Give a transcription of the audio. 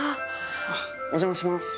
お邪魔します。